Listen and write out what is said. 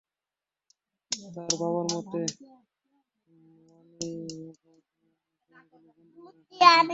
তার বাবার মতে, মানিমেগালাইকে কোনো এক জঙ্গলে বন্দী করে রাখা হয়েছিল।